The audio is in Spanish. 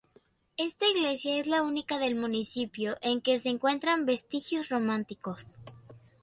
Esta iglesia es la única del municipio en que se encuentran vestigios románicos.